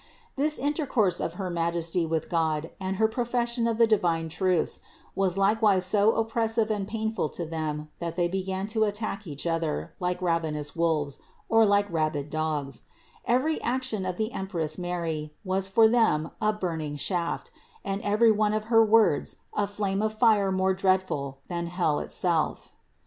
This intercourse of her Majesty with God and her profession of the divine truths, was likewise so oppressive and painful to them that they began to attack each other like ravenous wolves, or like rabid dogs ; every action of the Empress Mary was for them a burning shaft, and every one of her words a flame of fire more dreadful than hell itself.